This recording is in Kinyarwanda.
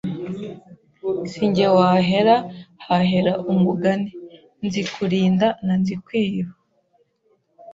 Si jye wahera hahera umugani. Nzikurinda na Nzikwiba.